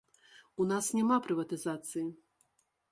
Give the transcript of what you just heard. У нас няма прыватызацыі.